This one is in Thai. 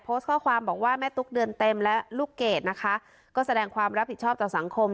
โพสต์ข้อความบอกว่าแม่ตุ๊กเดือนเต็มและลูกเกดนะคะก็แสดงความรับผิดชอบต่อสังคม